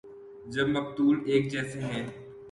جب مقتول ایک جیسے ہیں۔